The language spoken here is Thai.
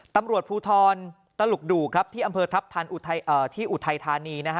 ตำรวจภูทรตลกดูกครับที่อำเภอทัพพันธ์อุทัยเอ่อที่อุทัยธานีนะฮะ